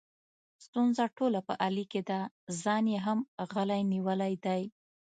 ستونزه ټوله په علي کې ده، ځان یې هم غلی نیولی دی.